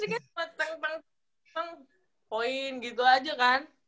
di tiga x tiga kan emang poin gitu aja kan